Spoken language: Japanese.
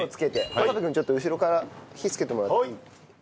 岡部君ちょっと後ろから火つけてもらっていい？